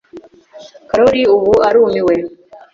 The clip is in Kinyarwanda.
Karoli ubu arumiwe.